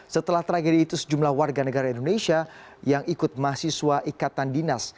setelah tragedi itu sejumlah warga negara indonesia yang ikut mahasiswa ikatan dinas